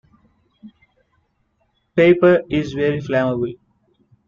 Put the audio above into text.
Paper is very flammable.